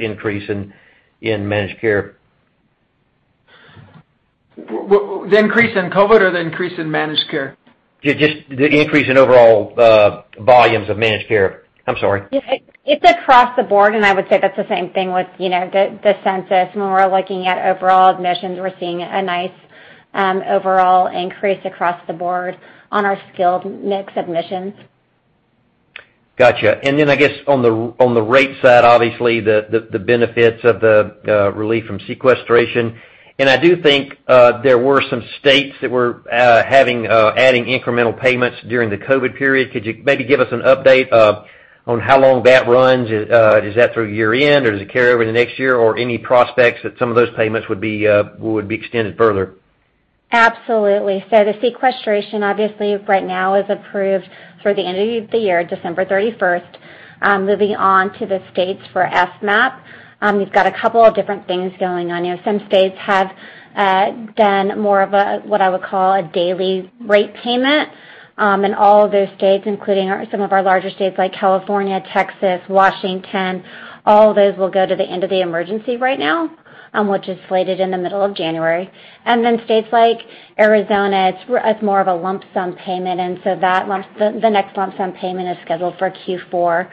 increase in managed care? The increase in COVID or the increase in managed care? Just the increase in overall volumes of managed care. I'm sorry. It's across the board, and I would say that's the same thing with the census. When we're looking at overall admissions, we're seeing a nice overall increase across the board on our skilled mix admissions. Got you. I guess on the rate side, obviously, the benefits of the relief from sequestration. I do think there were some states that were adding incremental payments during the COVID period. Could you maybe give us an update on how long that runs? Is that through year-end, or does it carry over to next year, or any prospects that some of those payments would be extended further? Absolutely. The sequestration, obviously, right now is approved through the end of the year, December 31st. Moving on to the states for FMAP, we've got a couple of different things going on. Some states have done more of what I would call a daily rate payment. All of those states, including some of our larger states like California, Texas, Washington, all of those will go to the end of the emergency right now, which is slated in the middle of January. States like Arizona, it's more of a lump sum payment, the next lump sum payment is scheduled for Q4.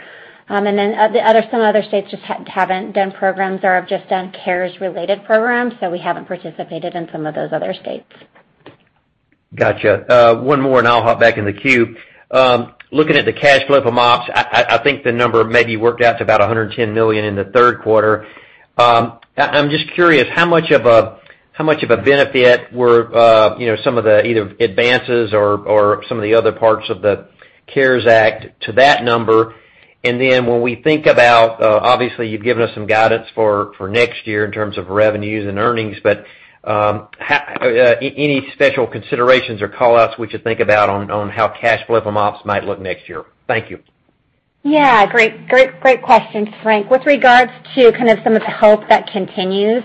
Some other states just haven't done programs or have just done CARES-related programs, we haven't participated in some of those other states. Got you. One more, and I'll hop back in the queue. Looking at the cash flow from ops, I think the number maybe worked out to about $110 million in the third quarter. I'm just curious, how much of a benefit were some of the either advances or some of the other parts of the CARES Act to that number? When we think about, obviously, you've given us some guidance for next year in terms of revenues and earnings, but any special considerations or call-outs we should think about on how cash flow from ops might look next year? Thank you. Yeah. Great question, Frank. With regards to kind of some of the help that continues,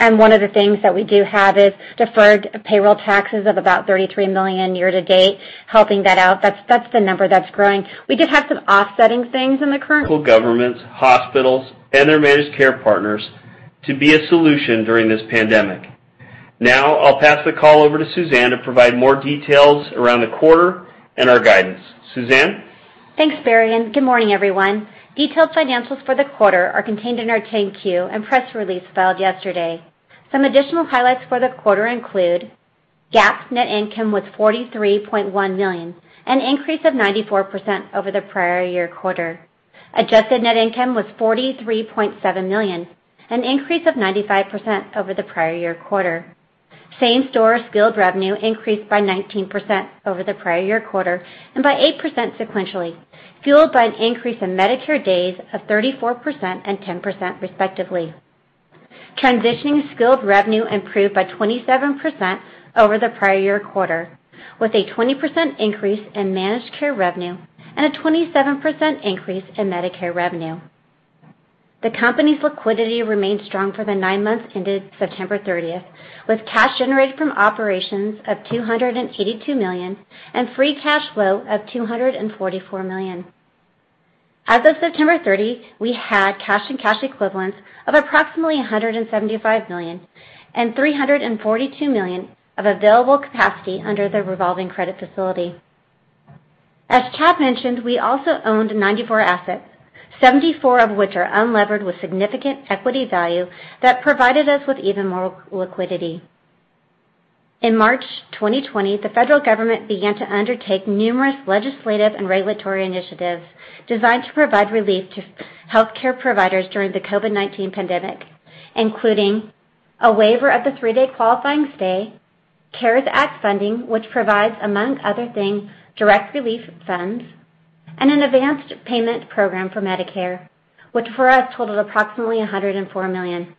one of the things that we do have is deferred payroll taxes of about $33 million year to date, helping that out. That's the number that's growing. We did have some offsetting things in the current. Local governments, hospitals, and their managed care partners to be a solution during this pandemic. I'll pass the call over to Suzanne to provide more details around the quarter and our guidance. Suzanne? Thanks, Barry, good morning, everyone. Detailed financials for the quarter are contained in our 10-Q and press release filed yesterday. Some additional highlights for the quarter include GAAP net income was $43.1 million, an increase of 94% over the prior year quarter. Adjusted net income was $43.7 million, an increase of 95% over the prior year quarter. Same-store skilled revenue increased by 19% over the prior year quarter and by 8% sequentially, fueled by an increase in Medicare days of 34% and 10%, respectively. Transitioning skilled revenue improved by 27% over the prior year quarter, with a 20% increase in managed care revenue and a 27% increase in Medicare revenue. The company's liquidity remained strong for the nine months ended September 30th, with cash generated from operations of $282 million and free cash flow of $244 million. As of September 30, we had cash and cash equivalents of approximately $175 million and $342 million of available capacity under the revolving credit facility. As Chad mentioned, we also owned 94 assets, 74 of which are unlevered with significant equity value that provided us with even more liquidity. In March 2020, the federal government began to undertake numerous legislative and regulatory initiatives designed to provide relief to healthcare providers during the COVID-19 pandemic, including a waiver of the three-day qualifying stay, CARES Act funding, which provides, among other things, direct relief funds, and an advanced payment program for Medicare, which for us totaled approximately $104 million.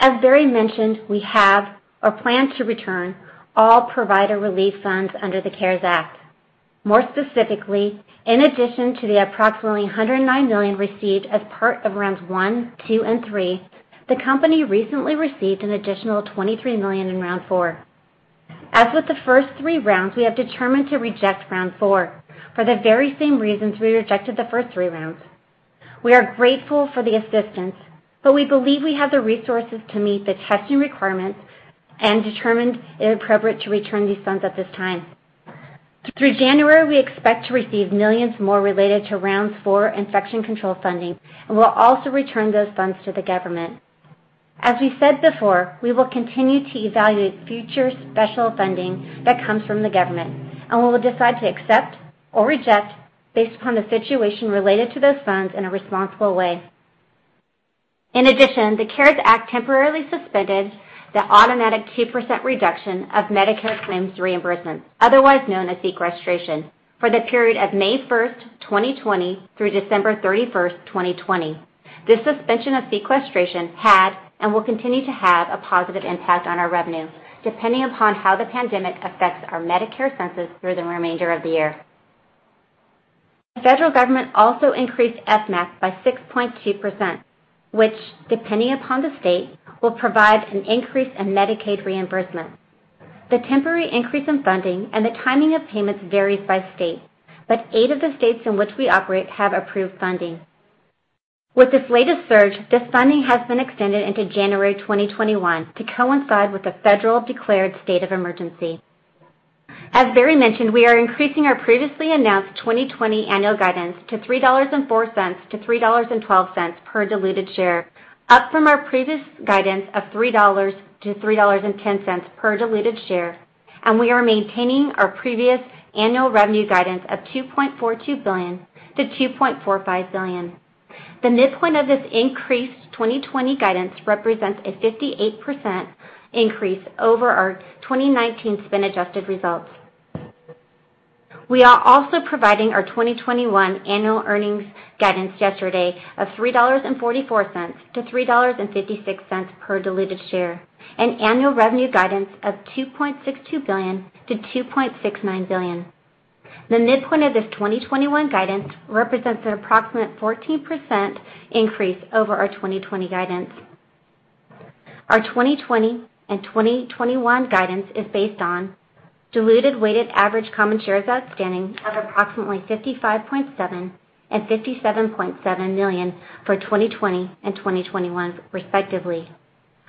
As Barry mentioned, we have or plan to return all provider relief funds under the CARES Act. More specifically, in addition to the approximately $109 million received as part of rounds one, two, and three, the company recently received an additional $23 million in round four. As with the first three rounds, we have determined to reject round four for the very same reasons we rejected the first three rounds. We are grateful for the assistance, but we believe we have the resources to meet the testing requirements and determined it appropriate to return these funds at this time. Through January, we expect to receive millions more related to rounds four infection control funding. We'll also return those funds to the government. As we said before, we will continue to evaluate future special funding that comes from the government. We will decide to accept or reject based upon the situation related to those funds in a responsible way. In addition, the CARES Act temporarily suspended the automatic 2% reduction of Medicare claims reimbursements, otherwise known as sequestration, for the period of May 1st, 2020, through December 31st, 2020. This suspension of sequestration had and will continue to have a positive impact on our revenue, depending upon how the pandemic affects our Medicare census through the remainder of the year. The federal government also increased FMAP by 6.2%, which, depending upon the state, will provide an increase in Medicaid reimbursement. The temporary increase in funding and the timing of payments varies by state, but eight of the states in which we operate have approved funding. With this latest surge, this funding has been extended into January 2021 to coincide with the federal declared state of emergency. As Barry mentioned, we are increasing our previously announced 2020 annual guidance to $3.04-$3.12 per diluted share, up from our previous guidance of $3-$3.10 per diluted share. We are maintaining our previous annual revenue guidance of $2.42 billion-$2.45 billion. The midpoint of this increased 2020 guidance represents a 58% increase over our 2019 spin-adjusted results. We are also providing our 2021 annual earnings guidance yesterday of $3.44-$3.56 per diluted share, an annual revenue guidance of $2.62 billion-$2.69 billion. The midpoint of this 2021 guidance represents an approximate 14% increase over our 2020 guidance. Our 2020 and 2021 guidance is based on diluted weighted average common shares outstanding of approximately 55.7 and 57.7 million for 2020 and 2021 respectively.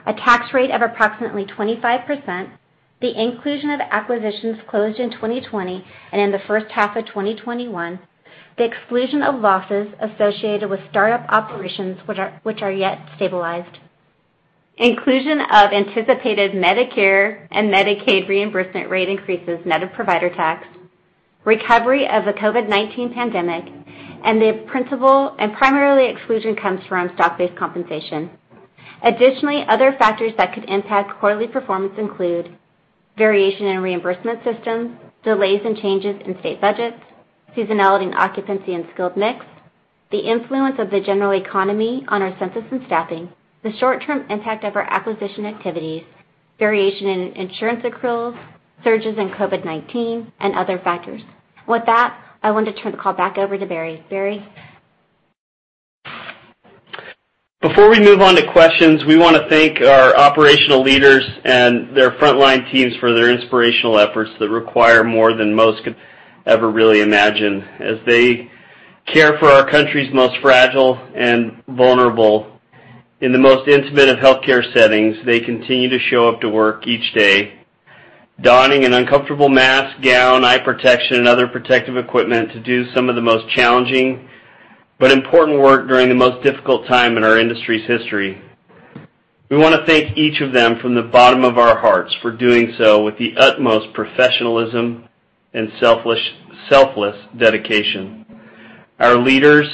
A tax rate of approximately 25%, the inclusion of acquisitions closed in 2020 and in the first half of 2021, the exclusion of losses associated with startup operations which are yet stabilized. Inclusion of anticipated Medicare and Medicaid reimbursement rate increases net of provider tax, recovery of the COVID-19 pandemic, and primarily exclusion comes from stock-based compensation. Additionally, other factors that could impact quarterly performance include variation in reimbursement systems, delays and changes in state budgets, seasonality in occupancy and skilled mix, the influence of the general economy on our census and staffing, the short-term impact of our acquisition activities, variation in insurance accruals, surges in COVID-19, and other factors. With that, I want to turn the call back over to Barry. Barry? Before we move on to questions, we want to thank our operational leaders and their frontline teams for their inspirational efforts that require more than most could ever really imagine. As they care for our country's most fragile and vulnerable in the most intimate of healthcare settings, they continue to show up to work each day, donning an uncomfortable mask, gown, eye protection, and other protective equipment to do some of the most challenging but important work during the most difficult time in our industry's history. We want to thank each of them from the bottom of our hearts for doing so with the utmost professionalism and selfless dedication. Our leaders,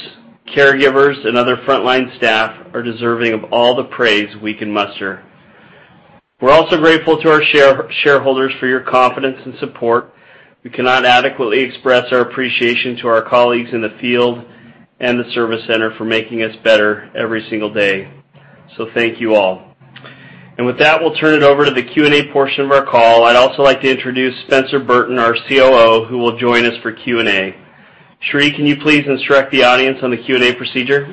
caregivers, and other frontline staff are deserving of all the praise we can muster. We're also grateful to our shareholders for your confidence and support. We cannot adequately express our appreciation to our colleagues in the field and the service center for making us better every single day. Thank you all. With that, we'll turn it over to the Q&A portion of our call. I'd also like to introduce Spencer Burton, our COO, who will join us for Q&A. Sheree, can you please instruct the audience on the Q&A procedure?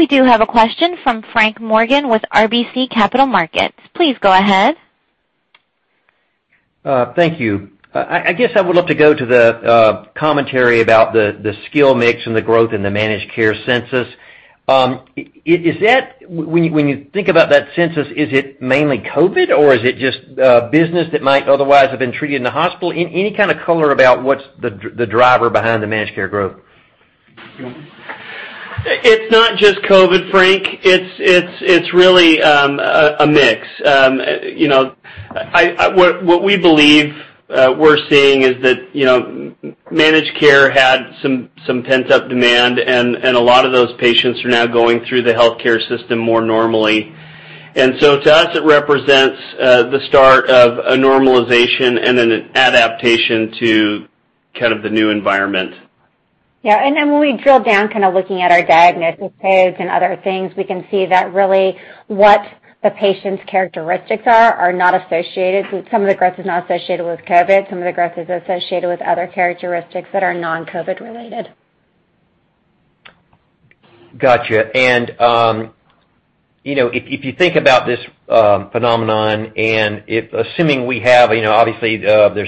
We do have a question from Frank Morgan with RBC Capital Markets. Please go ahead. Thank you. I guess I would love to go to the commentary about the skilled mix and the growth in the managed care census. When you think about that census, is it mainly COVID-19 or is it just business that might otherwise have been treated in the hospital? Any kind of color about what's the driver behind the managed care growth? It's not just COVID-19, Frank. It's really a mix. What we believe we're seeing is that managed care had some pent-up demand, and a lot of those patients are now going through the healthcare system more normally. To us, it represents the start of a normalization and then an adaptation to kind of the new environment. Yeah. When we drill down kind of looking at our diagnosis codes and other things, we can see that really what the patient's characteristics are not associated with. Some of the growth is not associated with COVID. Some of the growth is associated with other characteristics that are non-COVID related. Gotcha. If you think about this phenomenon and assuming we have, obviously, there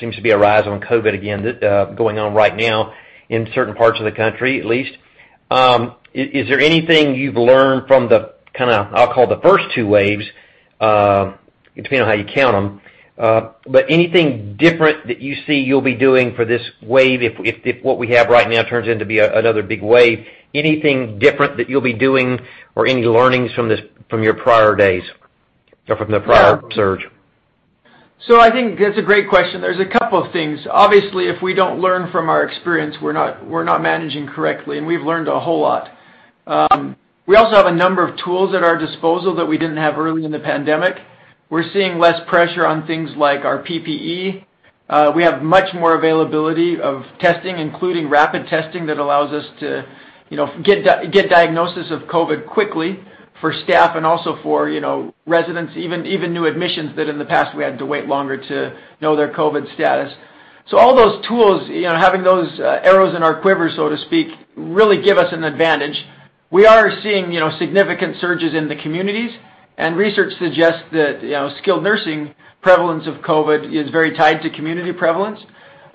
seems to be a rise on COVID again going on right now in certain parts of the country, at least. Is there anything you've learned from the kind of, I'll call the first two waves, depending on how you count them, but anything different that you see you'll be doing for this wave if what we have right now turns into be another big wave? Anything different that you'll be doing or any learnings from your prior days? From the prior surge I think that's a great question. There's a couple of things. Obviously, if we don't learn from our experience, we're not managing correctly, and we've learned a whole lot. We also have a number of tools at our disposal that we didn't have early in the pandemic. We're seeing less pressure on things like our PPE. We have much more availability of testing, including rapid testing, that allows us to get diagnosis of COVID quickly for staff and also for residents, even new admissions, that in the past, we had to wait longer to know their COVID status. All those tools, having those arrows in our quiver, so to speak, really give us an advantage. We are seeing significant surges in the communities, and research suggests that skilled nursing prevalence of COVID is very tied to community prevalence.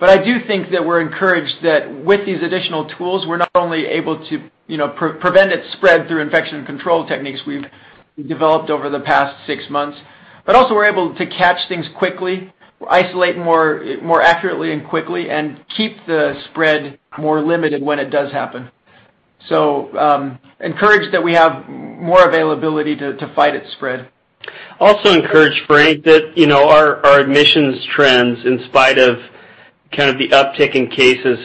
I do think that we're encouraged that with these additional tools, we're not only able to prevent its spread through infection control techniques we've developed over the past six months, but also we're able to catch things quickly, isolate more accurately and quickly, and keep the spread more limited when it does happen. Encouraged that we have more availability to fight its spread. Also encouraged, Frank, that our admissions trends, in spite of the uptick in cases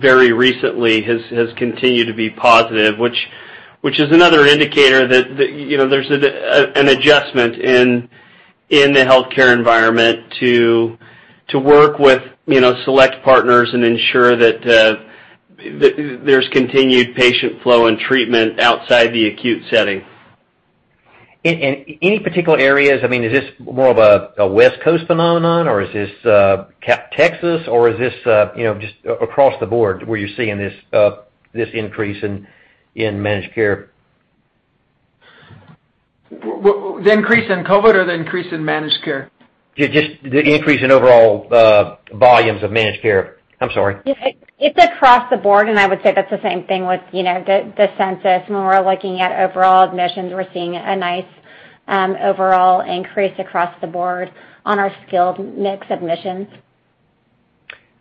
very recently, has continued to be positive, which is another indicator that there's an adjustment in the healthcare environment to work with select partners and ensure that there's continued patient flow and treatment outside the acute setting. In any particular areas, is this more of a West Coast phenomenon, or is this Texas, or is this just across the board where you're seeing this increase in managed care? The increase in COVID or the increase in managed care? Just the increase in overall volumes of managed care. I'm sorry. It's across the board, and I would say that's the same thing with the census. When we're looking at overall admissions, we're seeing a nice overall increase across the board on our skilled mix admissions.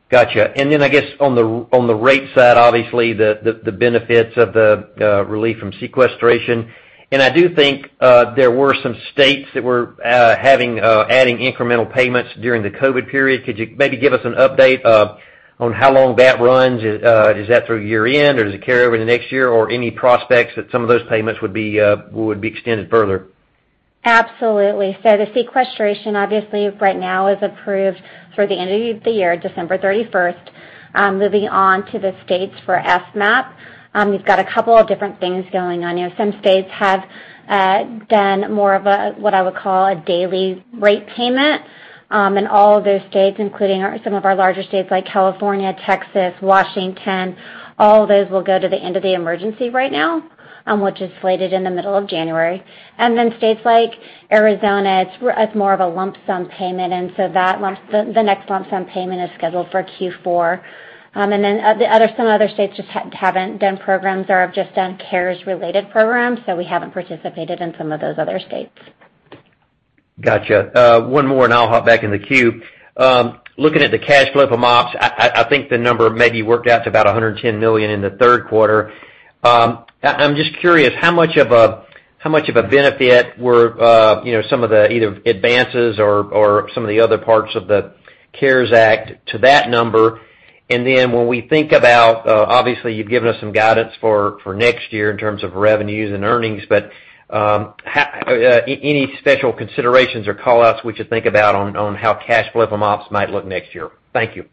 Got you. I guess on the rate side, obviously, the benefits of the relief from sequestration, and I do think there were some states that were adding incremental payments during the COVID period. Could you maybe give us an update on how long that runs? Is that through year-end or does it carry over to next year, or any prospects that some of those payments would be extended further? Absolutely. The sequestration, obviously, right now is approved through the end of the year, December 31st. Moving on to the states for FMAP, we've got a couple of different things going on. Some states have done more of a, what I would call, a daily rate payment. All of those states, including some of our larger states like California, Texas, Washington, all of those will go to the end of the emergency right now, which is slated in the middle of January. States like Arizona, it's more of a lump sum payment. The next lump sum payment is scheduled for Q4. Some other states just haven't done programs or have just done CARES-related programs, so we haven't participated in some of those other states. Got you. One more, I'll hop back in the queue. Looking at the cash flow from ops, I think the number maybe worked out to about $110 million in the third quarter. I'm just curious, how much of a benefit were some of the either advances or some of the other parts of the CARES Act to that number? Then when we think about, obviously, you've given us some guidance for next year in terms of revenues and earnings, but any special considerations or call-outs we should think about on how cash flow from ops might look next year? Thank you.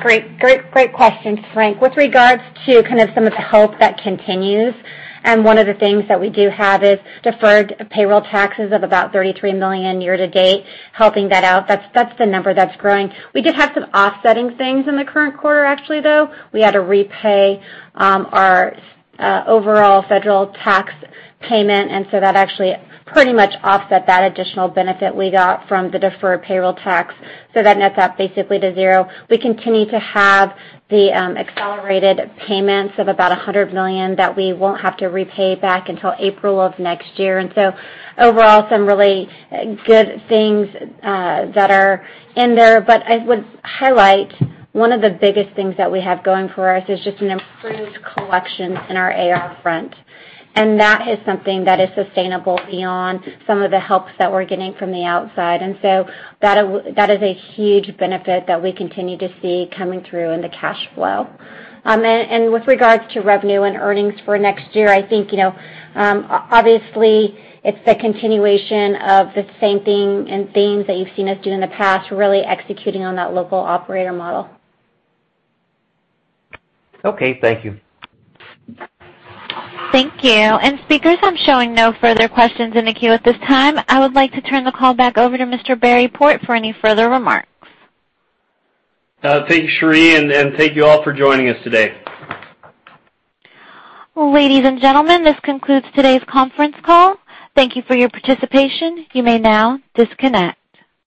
Great question, Frank. With regards to kind of some of the help that continues, and one of the things that we do have is deferred payroll taxes of about $33 million year to date helping that out. That's the number that's growing. We did have some offsetting things in the current quarter, actually, though. We had to repay our overall federal tax payment, and so that actually pretty much offset that additional benefit we got from the deferred payroll tax. That nets up basically to zero. We continue to have the accelerated payments of about $100 million that we won't have to repay back until April of next year. Overall, some really good things that are in there. I would highlight one of the biggest things that we have going for us is just an improved collection in our AR front. That is something that is sustainable beyond some of the help that we're getting from the outside. That is a huge benefit that we continue to see coming through in the cash flow. With regards to revenue and earnings for next year, I think, obviously, it's the continuation of the same thing and themes that you've seen us do in the past, really executing on that local operator model. Okay. Thank you. Thank you. Speakers, I'm showing no further questions in the queue at this time. I would like to turn the call back over to Mr. Barry Port for any further remarks. Thank you, Sheree, and thank you all for joining us today. Ladies and gentlemen, this concludes today's conference call. Thank you for your participation. You may now disconnect.